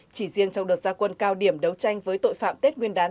chỉ riêng trong đợt gia quân cao điểm đấu tranh với tội phạm tết nguyên đán